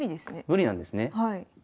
無理なんですね。